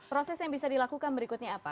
proses yang bisa dilakukan berikutnya apa